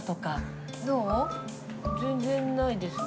全然ないですね。